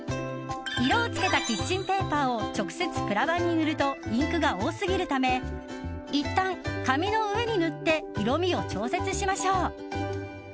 色をつけたキッチンペーパーを直接プラバンに塗るとインクが多すぎるためいったん紙の上に塗って色味を調節しましょう。